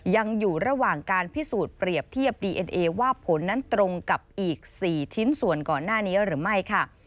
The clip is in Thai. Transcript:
ยังอยู่ระหว่างการพิสูจน์เปรียบเทียบดีเอ็นเอว่าผลนั้นตรงกับอีก๔ชิ้นส่วนก่อนหน้านี้หรือไม่ค่ะ